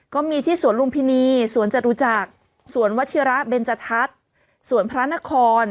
ก็มีที่สวนลุมพินีสวนจตุจักรสวนวัชิระเบนจทัศน์สวนพระนคร